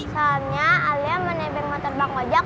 soalnya alia menebel motor bang ojak